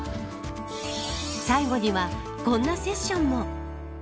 最後には、こんなセッションも。